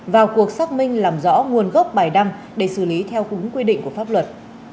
vào cuộc xác minh làm rõ nguồn gốc bài đăng để xử lý theo đúng quy định của pháp luật